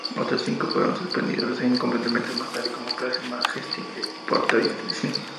Otros cinco fueron suspendidos, y completados más tarde como Clase Majestic de portaaviones.